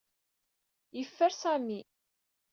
Yeffer Sami.